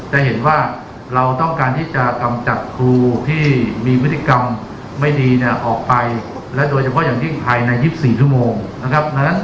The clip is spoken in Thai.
จะเห็นว่าเราต้องการที่จะกำจัดครูที่มีพฤติกรรมไม่ดีเนี่ยออกไปและโดยเฉพาะอย่างยิ่งภายใน๒๔ชั่วโมงนะครับ